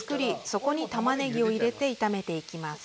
そこに、たまねぎを入れて炒めていきます。